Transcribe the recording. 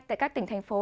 tại các tỉnh thành phố